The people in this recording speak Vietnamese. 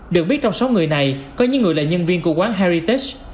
được biết trong sáu người này có những người là nhân viên của quán heritage